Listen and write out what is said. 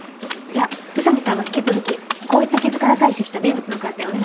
じゃあ宇佐見さんは引き続きこういった傷から採取した微物の鑑定お願いします。